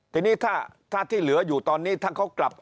ทีนี้ถ้าที่เหลืออยู่ตอนนี้ถ้าเขากลับ